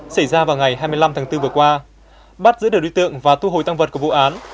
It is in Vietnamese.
xảy ra vào ngày hai mươi năm tháng bốn vừa qua bắt giữ được đối tượng và thu hồi tăng vật của vụ án